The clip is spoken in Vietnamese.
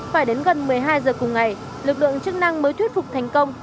phải đến gần một mươi hai giờ cùng ngày lực lượng chức năng mới thuyết phục thành công